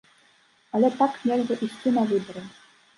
Але так нельга ісці на выбары.